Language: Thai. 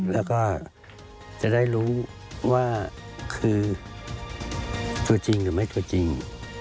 แล้วก็จะได้รู้ว่าคือตัวจริงหรือไม่ตัวจริง